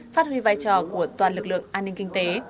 phát huy vai trò của toàn lực lượng an ninh kinh tế